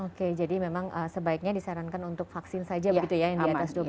oke jadi memang sebaiknya disarankan untuk vaksin saja begitu ya yang di atas dua belas